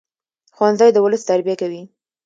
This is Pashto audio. ښوونځی د ولس تربیه کوي